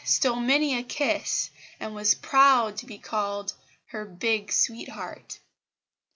stole many a kiss, and was proud to be called her "big sweetheart."